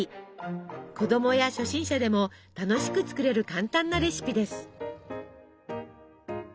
子供や初心者でも楽しく作れる簡単なレシピです。